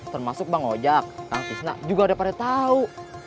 termasuk bang ojak kang pisna juga udah pada tahu